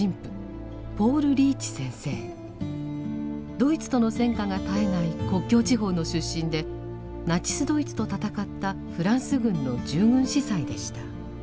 ドイツとの戦火が絶えない国境地方の出身でナチス・ドイツと戦ったフランス軍の従軍司祭でした。